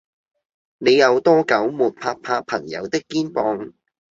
你有多久沒拍拍朋友的肩膀